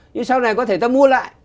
nhưng sau này có thể ta mua lại